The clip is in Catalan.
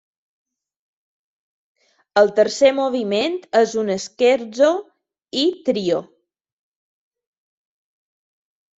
El tercer moviment és un scherzo i trio.